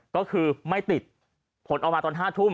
ก็คือไม่ติดผลออกมาตอน๕ทุ่ม